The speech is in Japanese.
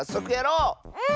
うん！